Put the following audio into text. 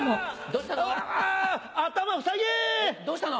どうしたの？